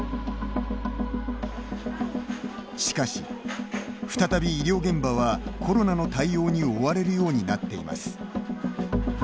しかし、再び医療現場はコロナの対応に追われるようになっています。